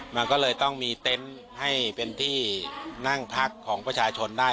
มันก็เลยต้องมีเต็นต์ให้เป็นที่นั่งพักของประชาชนได้